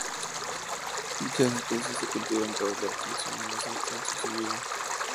Dichas especies se cultivan para la obtención del aceite de su semilla.